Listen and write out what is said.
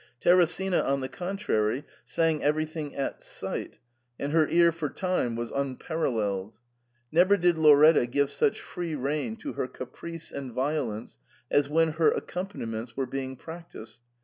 Teresina, on the contrary, sang everything at sight, and her car for time was unparalleled. Never did Lauretta give such free rein to her caprice and violence as when her accompaniments were being practised.